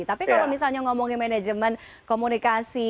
tapi kalau misalnya ngomongin manajemen komunikasi